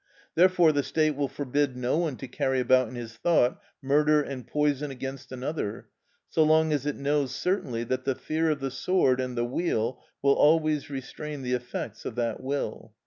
Therefore the state will forbid no one to carry about in his thought murder and poison against another, so long as it knows certainly that the fear of the sword and the wheel will always restrain the effects of that will.